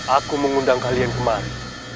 aku mengundang kalian kemari